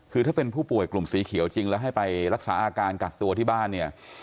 คือถ้าเป็นผู้ป่วยกลุ่มสีเขียวจริงแล้วให้ไปรักษาอาการกักตัวที่บ้านเนี่ย